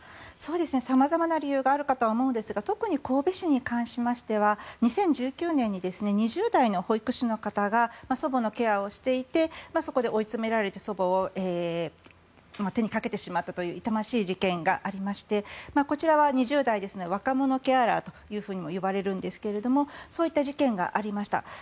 様々な理由があると思いますが特に神戸市に関しては２０１９年に２０代の保育士の方が祖母のケアをしていてそこで追い詰められて祖母を手にかけてしまったという痛ましい事件がありましてこちらは２０代ですので若者ケアラーとも呼ばれるんですがそういった事件がありました。